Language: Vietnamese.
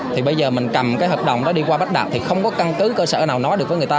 thì bây giờ mình cầm cái hợp đồng đó đi qua bắt đạp thì không có căn cứ cơ sở nào nói được với người ta